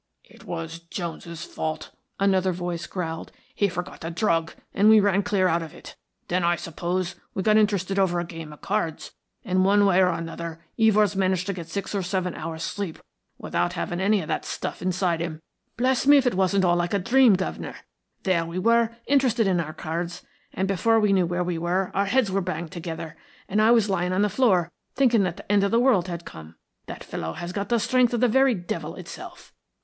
"It was Jones's fault," another voice growled. "He forgot the drug, and we ran clean out of it. Then, I suppose, we got interested over a game of cards, and one way and another, Evors managed to get six or seven hours' sleep without having any of that stuff inside him. Bless me, if it wasn't all like a dream, guv'nor. There we were, interested in our cards, and before we knew where we were our heads were banged together, and I was lying on the floor thinking that the end of the world had come. That fellow has got the strength of the very devil itself."